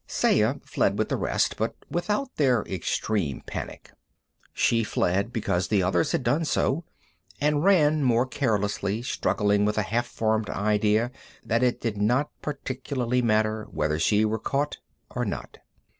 Saya fled with the rest, but without their extreme panic. She fled because the others had done so, and ran more carelessly, struggling with a half formed idea that it did not particularly matter whether she were caught or not.